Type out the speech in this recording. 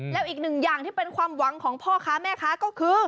แล้วอีกหนึ่งอย่างที่เป็นความหวังของพ่อค้าแม่ค้าก็คือ